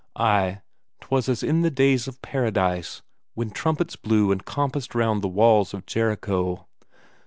Ay, 'twas as in the days of Paradise, when trumpets blew and compassed round the walls of Jericho....